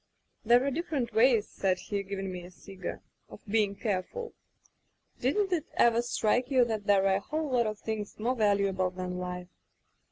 * "'There are different ways,' said he, giv ing me a cigar, *of being careful. Didn't it ever strike you that there are a whole lot of things more valuable than life?